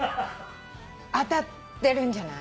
当たってるんじゃない。